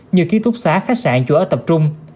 như ký túc xá khách sạn chủ ở tập trung